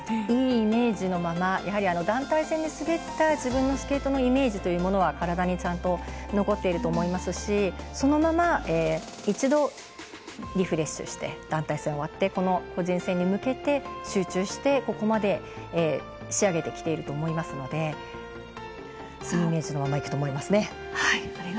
いいイメージのままやはり団体戦で滑った自分のスケートのイメージというものは体にちゃんと残っていると思いますしそのまま、一度リフレッシュして団体戦終わって、個人戦に向けて集中して、ここまで仕上げてきていると思いますのでいいイメージのままいくと思いますね。